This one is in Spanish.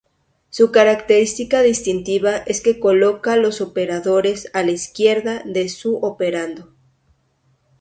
Su característica distintiva es que coloca los operadores a la izquierda de sus operandos.